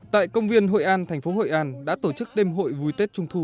tại công viên hội an thành phố hội an đã tổ chức đêm hội vui tết trung thu